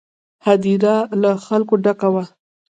هدیره له خلکو ډکه وه.